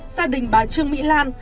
gia đình bà trương mỹ lan